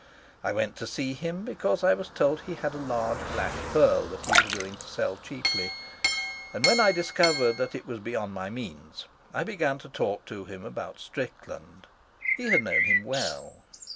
I went to see him because I was told he had a large black pearl which he was willing to sell cheaply, and when I discovered that it was beyond my means I began to talk to him about Strickland. He had known him well.